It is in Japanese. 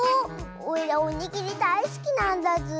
おいらおにぎりだいすきなんだズー。